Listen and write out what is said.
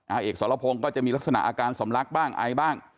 อาเอกสรพงศ์ก็จะมีลักษณะอาการสำลักบ้างไอบ้าง